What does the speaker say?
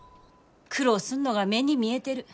苦労すんのが目に見えてる。